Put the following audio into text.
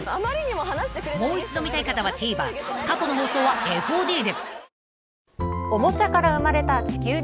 ［もう一度見たい方はＴＶｅｒ過去の放送はＦＯＤで］